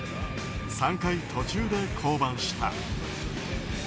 ３回途中で降板した。